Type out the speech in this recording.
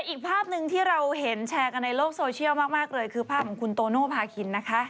อีกภาพหนึ่งที่เราเห็นแชร์กันในโลกโซเชียลมากเลยคือภาพของคุณโตโนภาคินนะคะ